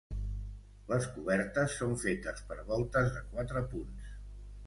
Les cobertes són fetes per voltes de quatre punts.